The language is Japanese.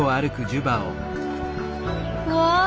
うわ！